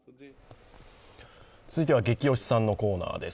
続いては「ゲキ推しさん」のコーナーです。